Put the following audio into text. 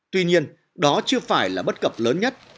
tuy nhiên đó chưa phải là bất cập lớn nhất